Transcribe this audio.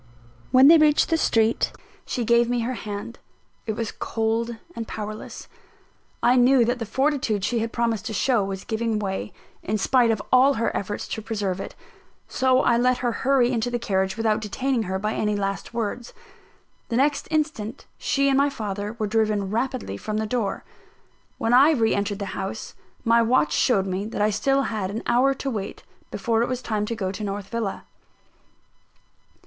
When they reached the street, she gave me her hand it was cold and powerless. I knew that the fortitude she had promised to show, was giving way, in spite of all her efforts to preserve it; so I let her hurry into the carriage without detaining her by any last words. The next instant she and my father were driven rapidly from the door. When I re entered the house, my watch showed me that I had still an hour to wait, before it was time to go to North Villa.